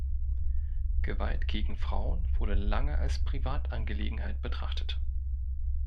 Gewalt gegen Frauen wurde lange als Privatangelegenheit betrachtet.